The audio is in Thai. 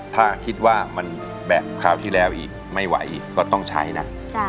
ถ้าคิดว่ามันแบบคราวที่แล้วอีกไม่ไหวอีกก็ต้องใช้นะ